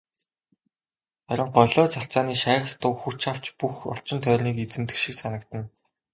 Харин голио царцааны шаагих дуу хүч авч бүх орчин тойрныг эзэмдэх шиг санагдана.